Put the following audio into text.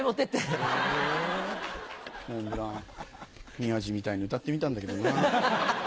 宮治みたいに歌ってみたんだけどなぁ。